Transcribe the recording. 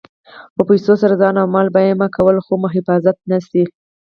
په پیسو سره ځان او مال بیمه کولی شې خو حفاظت نه شې.